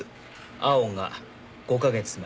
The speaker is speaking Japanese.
青が５カ月前。